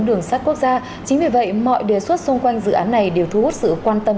đường sắt quốc gia chính vì vậy mọi đề xuất xung quanh dự án này đều thu hút sự quan tâm